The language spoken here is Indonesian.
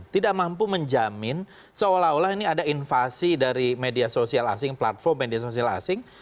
tidak mampu menjamin seolah olah ini ada invasi dari media sosial asing platform media sosial asing